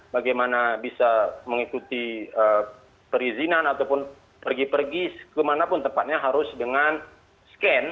bagaimana bisa mengikuti perizinan ataupun pergi pergi kemanapun tempatnya harus dengan scan